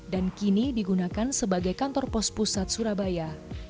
dan kini digunakan sebagai kantor pos pusat surabaya